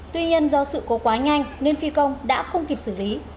tuy nhiên do sự cố quá nhanh nên phi công đã không kịp xử lý